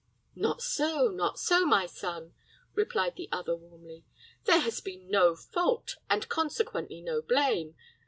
"Not so, not so, my son," replied the other, warmly; "there has been no fault, and consequently no blame.